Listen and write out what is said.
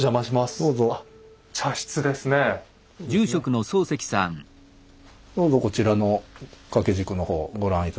どうぞこちらの掛け軸の方をご覧頂いて。